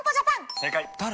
正解誰？